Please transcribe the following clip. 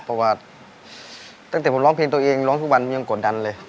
เพราะว่าตั้งแต่ผมร้องเพลงตัวเองร้องทุกวันมันยังกดดันเลย